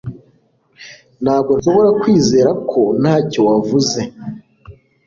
Ntabwo nshobora kwizera ko ntacyo wavuze